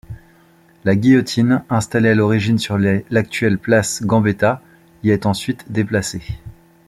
La guillotine, installée à l'origine sur l'actuelle place Gambetta, y est ensuite déplacée.